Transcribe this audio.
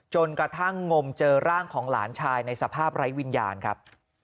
จนกระทั่งงมเจอร่างของหลานชายในสภาพไร้วิญญาณครับ